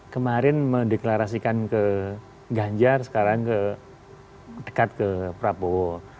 kemarin mendeklarasikan ke ganjar sekarang dekat ke prabowo